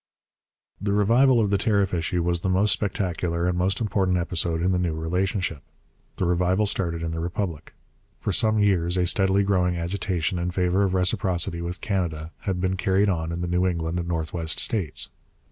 The revival of the tariff issue was the most spectacular and most important episode in the new relationship. The revival started in the Republic. For some years a steadily growing agitation in favour of reciprocity with Canada had been carried on in the New England and Northwest states.